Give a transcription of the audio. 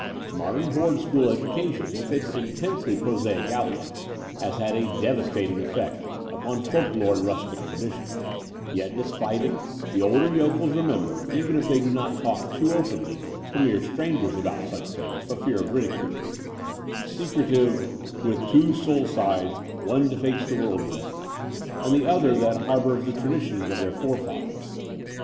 Mod em board school education, with its intensely prosaic outlook, has had a devastating effect upon folk lore and rustic tradition: yet, despite it, the older yokels remember, even if they do not talk too openly to mere strangers about such things for fear of ridicule, secretive 'with two soul sides, one to face the world with ' and the other that harbours the traditions of their forefathers.